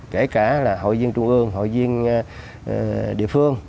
kể cả là hội liên trung ương hội liên địa phương